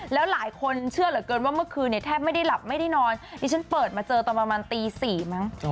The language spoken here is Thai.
แล้วหลายคนเชื่อเหลือเกินว่าเมื่อคืนเนี่ยแทบไม่ได้หลับไม่ได้นอนดิฉันเปิดมาเจอตอนประมาณตี๔มั้ง